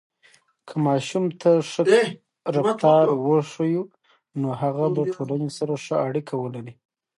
که ماشوم ته ښه رفتار وښیو، نو هغه به ټولنې سره ښه اړیکه ولري.